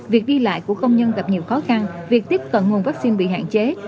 việc đi lại của công nhân gặp nhiều khó khăn việc tiếp cận nguồn vaccine bị hạn chế